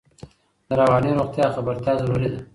د رواني روغتیا خبرتیا ضروري ده.